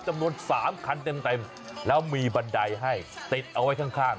จำนวน๓คันเต็มแล้วมีบันไดให้ติดเอาไว้ข้าง